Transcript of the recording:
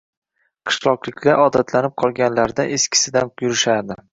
Qishloqliklar odatlanib qolganlaridan eskisidan yurishardi